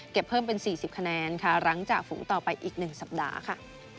เพิ่มเป็น๔๐คะแนนค่ะหลังจากฝูงต่อไปอีก๑สัปดาห์ค่ะ